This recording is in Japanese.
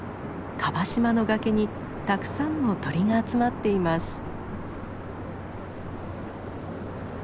樺島の崖にたくさんの鳥が集まっています。